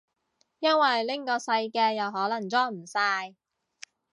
因為拎個細嘅又可能裝唔晒